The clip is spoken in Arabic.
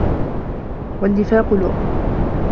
وَالنِّفَاقُ لُؤْمٌ